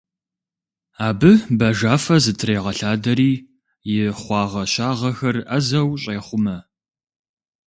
Абы бажафэ зытрегъэлъадэри и хъуагъэщагъэхэр ӏэзэу щӏехъумэ.